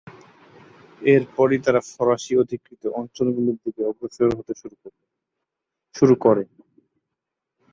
এর পরই তারা ফরাসী-অধিকৃত অঞ্চলগুলির দিকে অগ্রসর হতে শুরু করে।